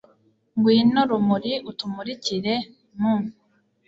ngwino rumuri utumurikire, mu